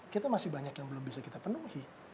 kita masih banyak yang belum bisa kita penuhi